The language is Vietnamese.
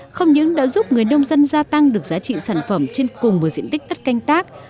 công ty không những đã giúp người nông dân gia tăng được giá trị sản phẩm trên cùng một diện tích cắt canh tác